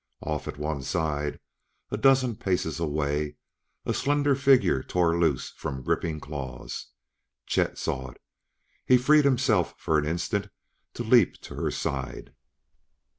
Off at one side, a dozen paces away, a slender figure tore loose from gripping claws. Chet saw it; he freed himself for an instant to leap to her side.